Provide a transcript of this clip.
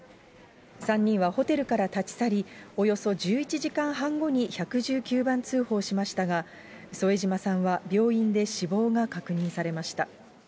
３人はホテルから立ち去り、およそ１１時間半後に１１９番通報しましたが、添島さんは病院で死亡が確認されました。